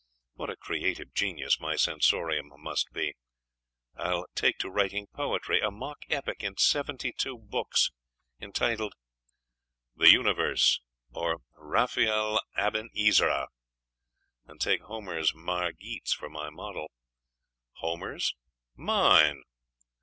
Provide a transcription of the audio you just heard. what a creative genius my sensorium must be! I'll take to writing' poetry a mock epic, in seventy two books, entitled "The Universe: or, Raphael Aben Ezra," and take Homer's Margites for my model. Homer's? Mine!